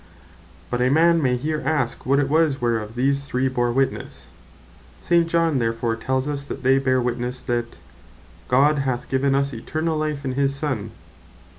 But a man may here ask, what it was whereof these three bare witnesse. St. John therefore tells us (verse 11.) that they bear witnesse, that "God hath given us eternall life in his Son."